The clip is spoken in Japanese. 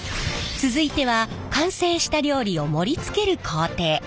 続いては完成した料理を盛りつける工程。